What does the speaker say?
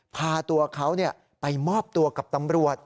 พาตัวเขาไปมอบตัวกับตำรวจ